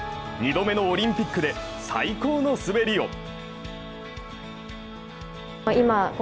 ２度目のオリンピックで最高の滑りを。